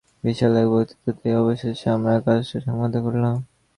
বিশাল এক বক্তৃতা দিয়ে অবশেষে আমরা কাজটা সমাধা করলাম।